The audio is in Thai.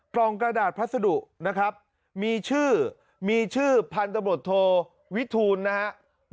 กล่องกระดาษพัสดุนะครับมีชื่อมีชื่อพันธบทโทวิทูลนะครับ